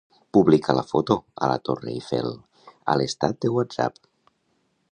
Publica la foto a la Torre Eiffel a l'estat de Whatsapp.